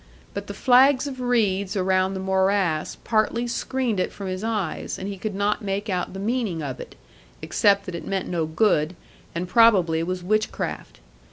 But the flags of reeds around the morass partly screened it from his eyes, and he could not make out the meaning of it, except that it meant no good, and probably was witchcraft.